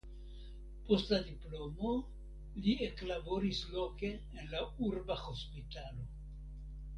Post la diplomo li eklaboris loke en la urba hospitalo.